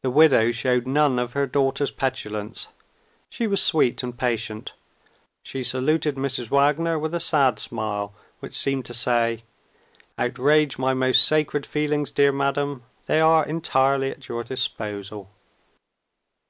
The widow showed none of her daughter's petulance. She was sweet and patient; she saluted Mrs. Wagner with a sad smile which seemed to say, "Outrage my most sacred feelings, dear madam; they are entirely at your disposal."